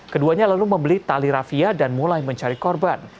keduanya lalu membeli tali rafia dan mulai mencari korban